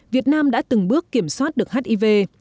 việt nam đã từng bước kiểm soát được hiv